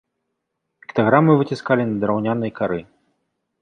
Піктаграмы выціскалі на драўнянай кары.